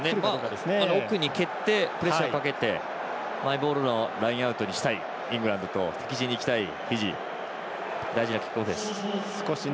奥に蹴ってプレッシャーかけてマイボールのラインアウトにしたいイングランドと敵陣にいきたいフィジー大事なキックオフです。